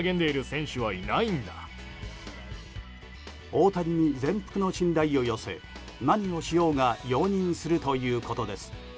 大谷に全幅の信頼を寄せ何をしようが容認するということです。